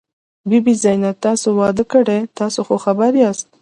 بي بي زينت، تا واده کړی؟ تاسې خو خبر یاست.